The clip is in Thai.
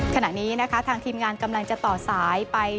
ขณะนี้นะคะทางทีมงานกำลังจะต่อสายไป